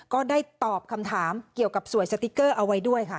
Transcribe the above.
ก็ได้ตอบคำถามเกี่ยวกับสวยสติ๊กเกอร์เอาไว้ด้วยค่ะ